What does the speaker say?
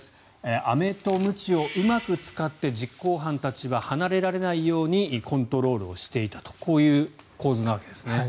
アメとムチをうまく使って実行犯たちが離れられないようにコントロールをしていたとこういう構図なわけですね。